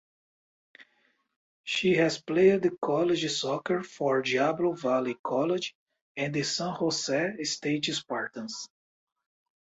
She has played college soccer for Diablo Valley College and San Jose State Spartans.